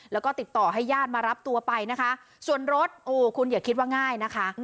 แล้วก็ติดต่อให้ญาติมารับตัวไปนะคะส่วนรถโอ้คุณอย่าคิดว่าง่ายนะคะ